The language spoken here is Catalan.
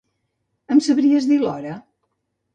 Em sabries dir l'hora?